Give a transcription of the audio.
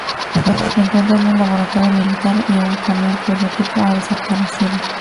Encuentran un laboratorio militar y un camión cuyo equipo ha desaparecido.